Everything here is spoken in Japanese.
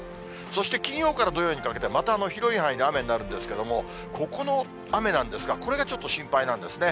そして金曜から土曜にかけて、また広い範囲で雨になるんですけれども、ここの雨なんですが、これがちょっと心配なんですね。